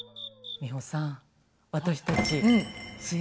美穂さん